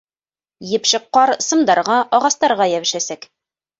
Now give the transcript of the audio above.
Епшек ҡар сымдарға, ағастарға йәбешәсәк.